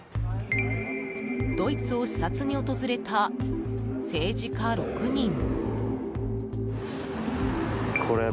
ドイツを視察に訪れた政治家６人。